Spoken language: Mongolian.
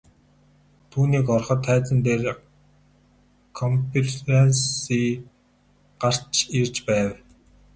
Түүнийг ороход тайзан дээр КОНФЕРАНСЬЕ гарч ирж байв.